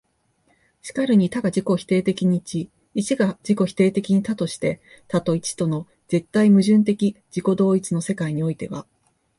然るに多が自己否定的に一、一が自己否定的に多として、多と一との絶対矛盾的自己同一の世界においては、